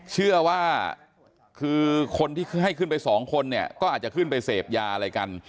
เชื่อว่าคือคนที่ให้ขึ้นไปสองคนเนี่ยก็อาจจะขึ้นไปเสพยาอะไรกัน